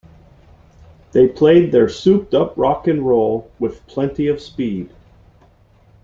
They played their souped up rock and roll with plenty of speed.